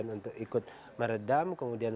untuk ikut meredam kemudian